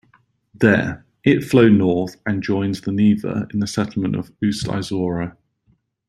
There, it flow north and joins the Neva in the settlement of Ust-Izhora.